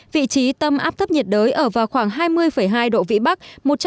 vị trí tâm áp thấp nhiệt đới ở vào khoảng hai mươi hai độ vĩ bắc